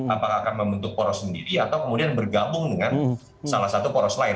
apakah akan membentuk poros sendiri atau kemudian bergabung dengan salah satu poros lain